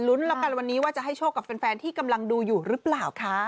แล้วกันวันนี้ว่าจะให้โชคกับแฟนที่กำลังดูอยู่หรือเปล่าคะ